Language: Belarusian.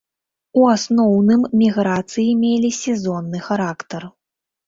У асноўным міграцыі мелі сезонны характар.